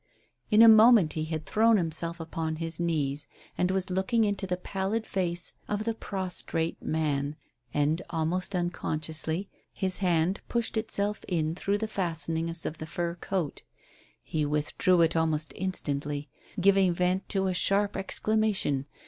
In a moment he had thrown himself upon his knees and was looking into the pallid face of the prostrate man, and almost unconsciously his hand pushed itself in through the fastenings of the fur coat. He withdrew it almost instantly, giving vent to a sharp exclamation.